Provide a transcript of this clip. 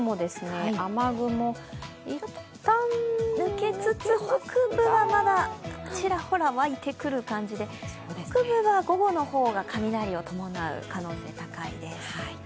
抜けつつ、北部はまだちらほら湧いてくる感じで北部は午後の方が雷を伴う可能性が高いです。